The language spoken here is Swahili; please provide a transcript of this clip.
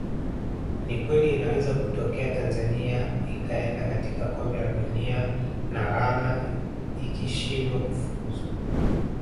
Ni kweli inaweza kutokea Tanzania ikaenda katika Kombe la Dunia na Ghana ikishindwa kufuzu